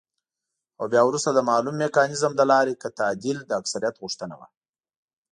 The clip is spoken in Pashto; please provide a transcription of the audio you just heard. او بيا وروسته د مالوم ميکانيزم له لارې که تعديل د اکثريت غوښتنه وه،